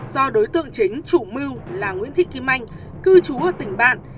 do đối tượng chính chủ mưu là nguyễn thị kim anh cư trú ở tỉnh bạn